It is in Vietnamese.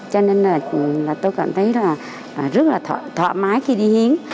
cho nên là tôi cảm thấy là rất là thoải mái khi đi hiến